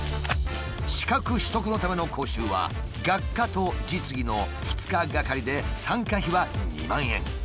資格取得のための講習は学科と実技の２日がかりで参加費は２万円。